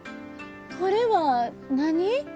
これは何？